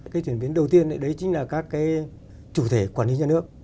cái chuyển biến đầu tiên đấy chính là các cái chủ thể quản lý nhà nước